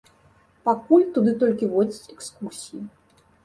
Пакуль туды толькі водзяць экскурсіі.